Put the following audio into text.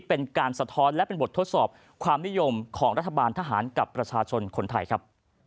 เป็นการสะท้อนและเป็นบททดสอบความนิยมของรัฐบาลทหารกับประชาชนคนไทยครับ